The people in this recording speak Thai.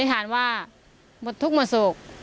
อธิษฐานว่าหมดทุกข์หมดสุข